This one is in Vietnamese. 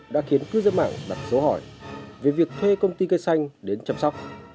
đã khiến cư dân mạng đặt số hỏi về việc thuê công ty cây xanh đến chăm sóc